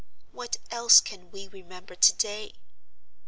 What else can we remember to day?